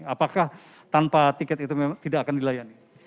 apakah tanpa tiket itu memang tidak akan dilayani